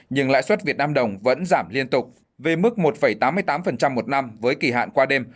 nhưng lãi suất việt nam đồng vẫn giảm liên tục về mức một tám mươi tám một năm với kỳ hạn qua đêm